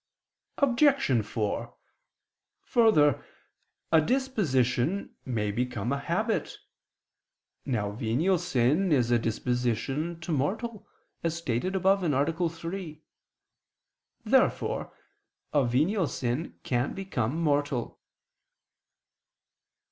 Obj. 4: Further, a disposition may become a habit. Now venial sin is a disposition to mortal, as stated (A. 3). Therefore a venial sin can become mortal.